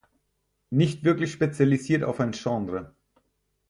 Nicht wirklich spezialisiert auf ein Genre.